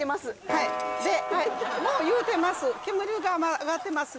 はい言うてます